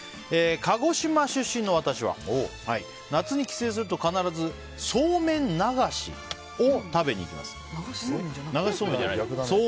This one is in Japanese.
鹿児島出身の私は夏に帰省すると必ずそうめん流しを食べに行きます。